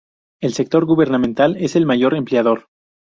El sector gubernamental es el mayor empleador.